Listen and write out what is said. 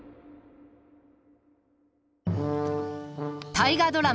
大河ドラマ